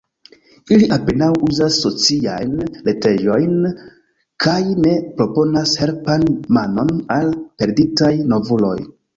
Ili apenaŭ uzas sociajn retejojn kaj ne proponas helpan manon al perditaj novuloj.